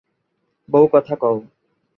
বউ কথা কউ